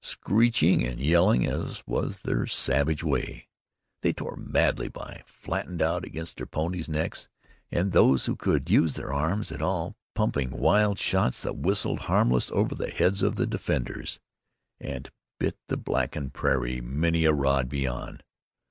Screeching and yelling as was their savage way, they tore madly by, flattened out against their ponies' necks and, those who could use their arms at all, pumping wild shots that whistled harmless over the heads of the defenders and bit the blackened prairie many a rod beyond.